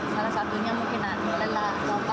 salah satunya mungkin lelah bapak